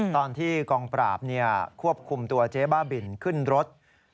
ตอนที่กองปราบควบคุมตัวเจ๊บ้าบินขึ้นรถ